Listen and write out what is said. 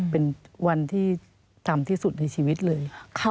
เป็นวันที่ต่ำที่สุดในชีวิตเลย